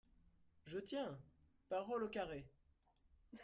Je tiens… parole au carré !